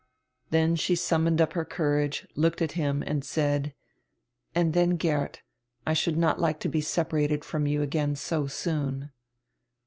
Then she summoned up her courage, looked at him, and said: "And then, Geert, I should not like to be separated from you again so soon."